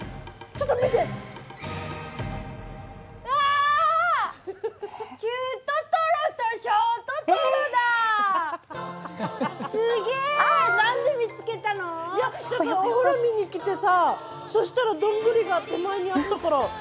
ちょっとお風呂見に来てさそしたらどんぐりが手前にあったから。